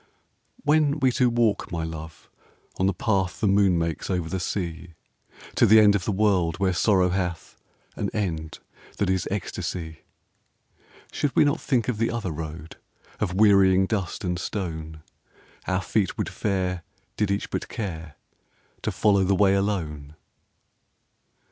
_) When we two walk, my love, on the path The moon makes over the sea, To the end of the world where sorrow hath An end that is ecstasy, Should we not think of the other road Of wearying dust and stone Our feet would fare did each but care To follow the way alone?